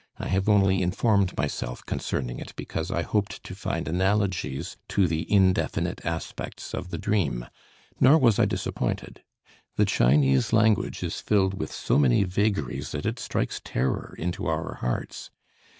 I have only informed myself concerning it because I hoped to find analogies to the indefinite aspects of the dream. Nor was I disappointed. The Chinese language is filled with so many vagaries that it strikes terror into our hearts.